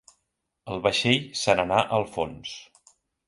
El vaixell se n'anà al fons.